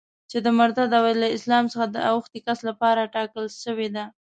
چي د مرتد او له اسلام څخه د اوښتي کس لپاره ټاکله سوې ده.